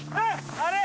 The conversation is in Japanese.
あれ？